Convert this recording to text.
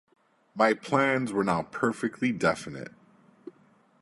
My plans were now perfectly definite.